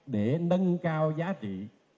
để nâng cao giá trị